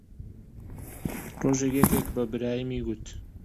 ڕۆژێک یەکێک بە برایمی گوت: